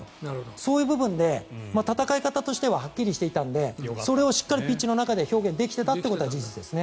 そういう部分で戦い方としてははっきりしていたのでそれをしっかりピッチの中で表現できていたということは事実ですね。